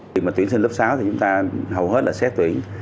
khi mà tuyển sinh lớp sáu thì chúng ta hầu hết là xét tuyển